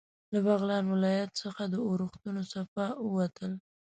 له بغلان ولایت څخه د اورښتونو څپه ووتل.